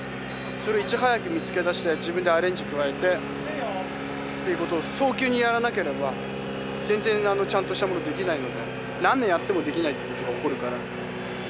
それいち早く見つけ出して自分でアレンジ加えてっていうことを早急にやらなければ全然ちゃんとしたものできないので何年やってもできないっていうことが起こるから。